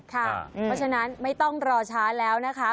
เพราะฉะนั้นไม่ต้องรอช้าแล้วนะคะ